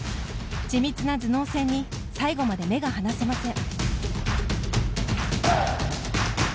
緻密な頭脳戦に最後まで目が離せません。